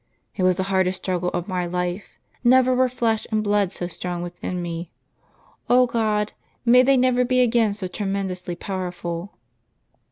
It was the hardest struggle of my life; never were flesh and blood so strong within me. 0 God! may they never be again so tremendously powerful